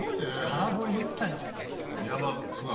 空振り一切なかったんで。